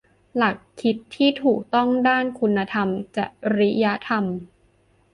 หลักคิดที่ถูกต้องด้านคุณธรรมจริยธรรม